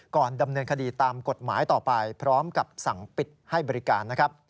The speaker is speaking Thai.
ก่อนดำเนินคดีตามกฎหมายต่อไปพร้อมกับสั่งปิดให้บริการนะครับ